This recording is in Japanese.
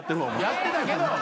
やってたけど。